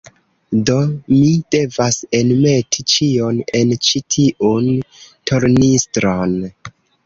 Do, mi devas enmeti ĉion en ĉi tiun tornistron.